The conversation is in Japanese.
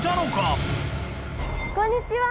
こんにちは。